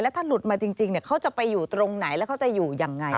ถ้าหลุดมาจริงเขาจะไปอยู่ตรงไหนแล้วเขาจะอยู่ยังไง